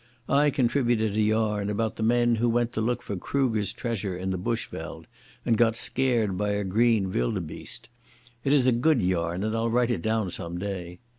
I contributed a yarn about the men who went to look for Kruger's treasure in the bushveld and got scared by a green wildebeeste. It is a good yarn and I'll write it down some day.